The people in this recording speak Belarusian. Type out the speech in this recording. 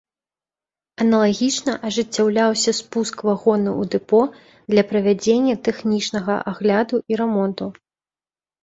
Аналагічна ажыццяўляўся спуск вагонаў у дэпо для правядзення тэхнічнага агляду і рамонту.